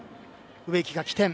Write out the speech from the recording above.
植木が起点。